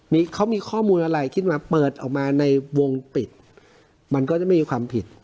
มีเขามีข้อมูลอะไรขึ้นมาเปิดออกมาในวงปิดมันก็จะไม่มีความผิด